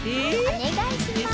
おねがいします。